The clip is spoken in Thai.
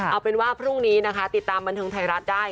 เอาเป็นว่าพรุ่งนี้นะคะติดตามบันเทิงไทยรัฐได้